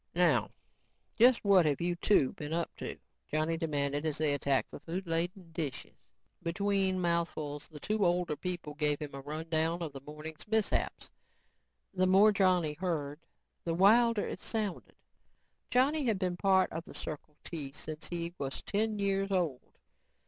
"Now just what have you two been up to," Johnny demanded as they attacked the food laden dishes. Between mouthfuls, the two older people gave him a rundown on the morning's mishaps. The more Johnny heard, the wilder it sounded. Johnny had been a part of the Circle T since he was ten years old.